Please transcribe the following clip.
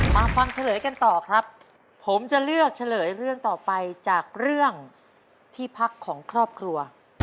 ฟังเฉลยกันต่อครับผมจะเลือกเฉลยเรื่องต่อไปจากเรื่องที่พักของครอบครัว